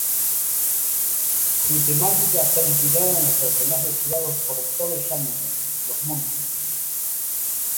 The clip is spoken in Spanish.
Su temática está inspirada en los personajes creados por Tove Jansson, los Mumin.